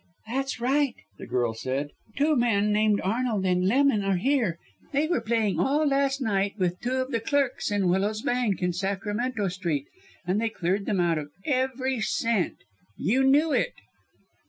"That's right," the girl said, "two men named Arnold and Lemon are here. They were playing all last night with two of the clerks in Willows Bank, in Sacramento Street, and they cleared them out of every cent. You knew it!"